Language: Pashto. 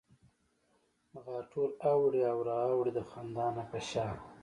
غاټول اوړي او را اوړي د خندا نه په شا